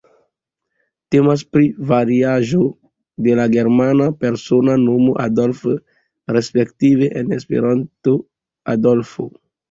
Temas pri variaĵo de la germana persona nomo Adolf respektive en Esperanto Adolfo.